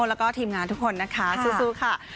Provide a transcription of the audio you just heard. แล้วก็ทีมงานทุกคนนะคะสู้ค่ะ